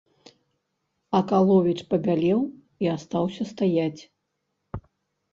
Акаловіч пабялеў і астаўся стаяць.